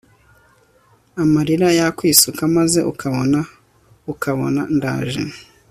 amarira yakwisuka maze ukabona, ukabona ndaje